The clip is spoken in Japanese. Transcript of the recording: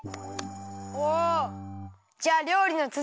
じゃありょうりのつづき！